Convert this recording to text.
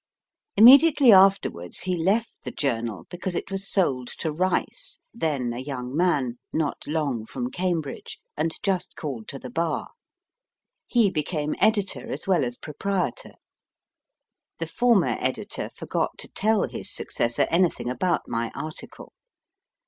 Immediately afterwards he left the journal because it was sold to Rice, then a young man, not long from Cambridge, and just called to the Bar. He became editor as well as proprietor. The former editor forgot to tell his successor anything about my article.